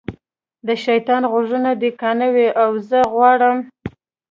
د شیطان غوږونه دي کاڼه وي او زه ژغورم.